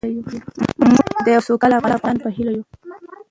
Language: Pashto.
موږ د یو سوکاله افغانستان په هیله یو.